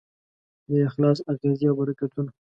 د اخلاص اغېزې او برکتونه